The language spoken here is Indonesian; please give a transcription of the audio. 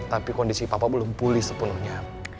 tapi kondisi papua belum pulih sepenuhnya